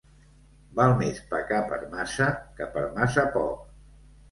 Val més pecar per massa que per massa poc.